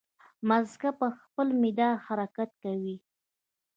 مځکه پر خپل مدار حرکت کوي.